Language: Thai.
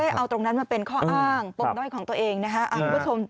ไม่ใช่เอาตรงนั้นมาเป็นข้ออ้างปกด้วยของตัวเองนะครับ